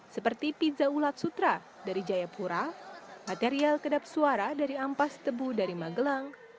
seperti pizza ulat sutra dari jayapura material kedap suara dari ampas tebu dari magelang